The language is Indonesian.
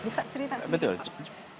bisa cerita sedikit pak